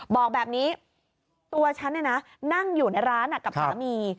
บอกแบบนี้ตัวฉันนั่งอยู่ในร้านกับสามี